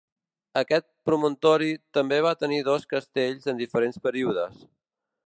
Aquest promontori també va tenir dos castells en diferents períodes.